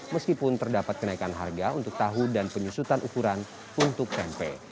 meskipun terdapat kenaikan harga untuk tahu dan penyusutan ukuran untuk tempe